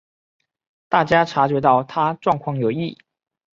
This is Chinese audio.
大家察觉到她状况有异